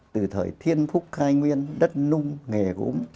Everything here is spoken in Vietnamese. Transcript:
từ thời thiên phúc khai nguyên đất nung nghề gốm